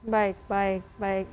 baik baik baik